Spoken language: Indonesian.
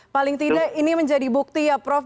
paling tidak ini menjadi bukti ya prof